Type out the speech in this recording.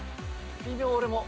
微妙俺も。